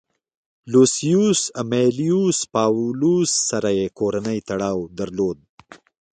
لوسیوس امیلیوس پاولوس سره یې کورنی تړاو درلود